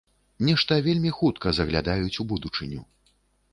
Нешта вельмі хутка заглядаюць у будучыню.